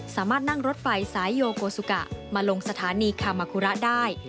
สามารถนั่งรถไฟสายโยโกสุกะมาลงสถานีคามาคุระได้